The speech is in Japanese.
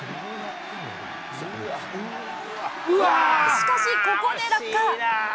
しかし、ここで落下。